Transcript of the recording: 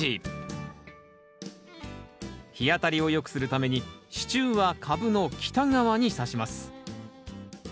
日当たりをよくするために支柱は株の北側にさします。